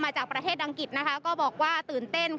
จากประเทศอังกฤษก็บอกว่าตื่นเต้น